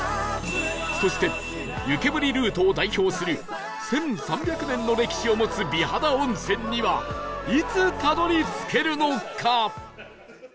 そして湯けむりルートを代表する１３００年の歴史を持つ美肌温泉にはいつたどり着けるのか？